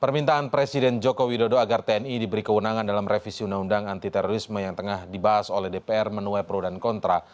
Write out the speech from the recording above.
permintaan presiden joko widodo agar tni diberi kewenangan dalam revisi undang undang anti terorisme yang tengah dibahas oleh dpr menuai pro dan kontra